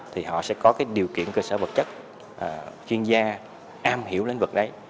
thì họ sẽ có cái điều kiện cơ sở vật chất chuyên gia am hiểu lĩnh vực đấy